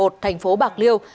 thành phố bạc liêu